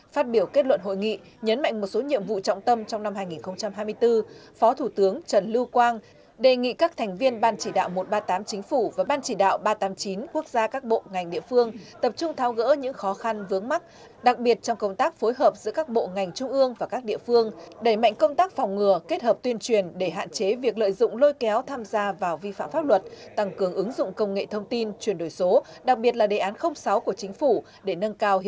phát biểu kết luận hội nghị nhấn mạnh một số nhiệm vụ trọng tâm trong năm hai nghìn hai mươi bốn phó thủ tướng trần lưu quang đề nghị các thành viên ban chỉ đạo một trăm ba mươi tám chính phủ và ban chỉ đạo ba trăm tám mươi chín quốc gia các bộ ngành địa phương tập trung thao gỡ những khó khăn vướng mắt đặc biệt trong công tác phối hợp giữa các bộ ngành trung ương và các địa phương đẩy mạnh công tác phòng ngừa kết hợp tuyên truyền để hạn chế việc lợi dụng lôi kéo tham gia vào vi phạm pháp luật tăng cường ứng dụng công nghệ thông tin truyền đổi số đặc biệt là đề án sáu